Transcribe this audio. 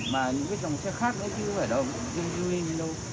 cái dòng xe khác nữa chứ phải đâu